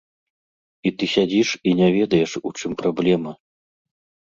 І ты сядзіш і не ведаеш, у чым праблема.